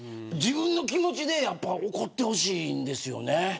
自分の気持ちで怒ってほしいんです。